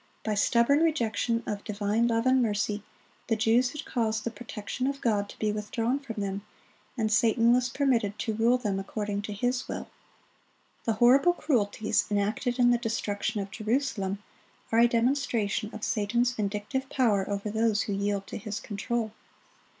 By stubborn rejection of divine love and mercy, the Jews had caused the protection of God to be withdrawn from them, and Satan was permitted to rule them according to his will. The horrible cruelties enacted in the destruction of Jerusalem are a demonstration of Satan's vindictive power over those who yield to his control.